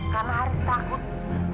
karena haris takut